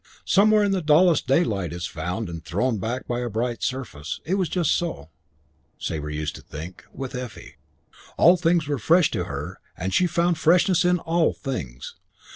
Somewhere in the dullest day light is found and thrown back by a bright surface. It was just so, Sabre used to think, with Effie. All things were fresh to her and she found freshness in all things.